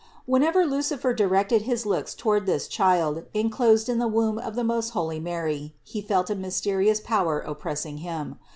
360. Whenever Lucifer directed his looks toward this Child enclosed in the womb of the most holy Mary, he felt a mysterious power oppressing him.